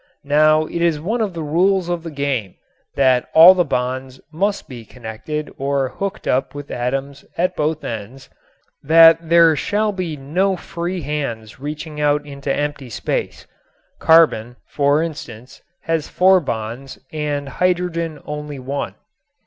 Now it is one of the rules of the game that all the bonds must be connected or hooked up with atoms at both ends, that there shall be no free hands reaching out into empty space. Carbon, for instance, has four bonds and hydrogen only one.